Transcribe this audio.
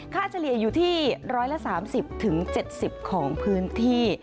เฉลี่ยอยู่ที่๑๓๐๗๐ของพื้นที่